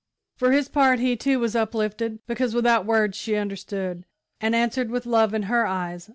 For his part he, too, was uplifted, because without words she understood, and answered with love in her eyes.